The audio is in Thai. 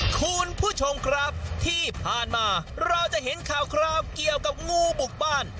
คุณผู้ชมครับที่ผ่านมาเราจะเห็นข่าวคราวเกี่ยวกับงูบุกบ้าน